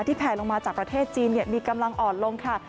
แผลลงมาจากประเทศจีนมีกำลังอ่อนลงค่ะ